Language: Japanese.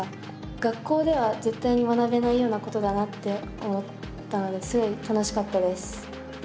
学校では絶対に学べないようなことだなって思ったのですごい楽しかったです。